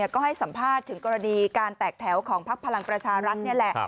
ก็ให้สัมภาษณ์ถึงกรณีการแตกแถวของพักพลังประชารัฐนี่แหละ